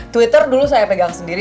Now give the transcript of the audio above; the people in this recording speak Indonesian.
twitter dulu saya pegang sendiri